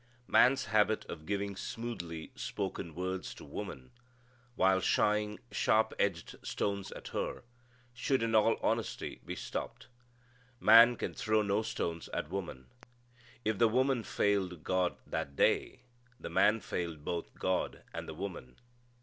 Man's habit of giving smoothly spoken words to woman, while shying sharp edged stones at her, should in all honesty be stopped. Man can throw no stones at woman. If the woman failed God that day, the man failed both God and the woman.